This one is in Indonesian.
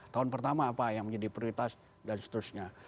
tahun pertama apa yang menjadi prioritas dan seterusnya